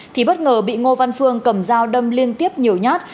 thì bất ngờ bị ngô văn phương cầm dao đâm liên tiếp nhiều nhát